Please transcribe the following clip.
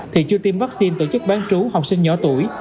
thì chưa tiêm vaccine tổ chức bán trú học sinh nhỏ tuổi